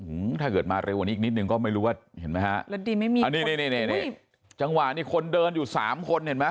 หื้มถ้าเกิดมาเร็วอันนี้อีกนิดนึงก็ไม่รู้ว่าเห็นมั้ยฮะอันนี้จังหวะนี่คนเดินอยู่๓คนเห็นมั้ย